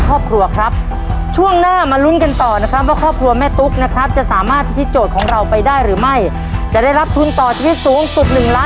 ตัวเลือกที่สองจานที่สองค่ะ